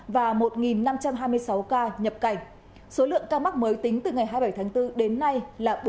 và một năm trăm hai mươi sáu ca nhập cảnh số lượng ca mắc mới tính từ ngày hai mươi bảy tháng bốn đến nay là bốn tám trăm bảy mươi sáu ca